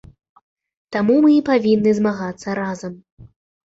Таму мы і павінны змагацца разам.